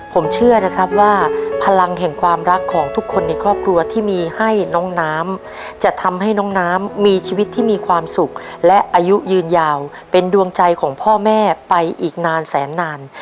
ผมเชื่อนะครับว่าพลังแห่งความรักของทุกคนในครอบครัวที่มีให้น้องน้ำจะทำให้น้องน้ำมีชีวิตที่มีความสุขและอายุยืนยาวเป็นดวงใจของพ่อแม่ไปอีกนานแสนนาน